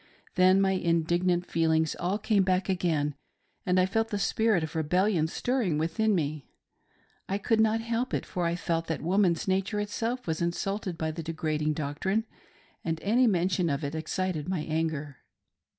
Then my indig nant feelings all came back again, and I felt the spirit of rebel lion stirring within me. I could not help it, for I felt that woman's nature itself was insulted by the degrading doctrine, and any mention of it excited my anger.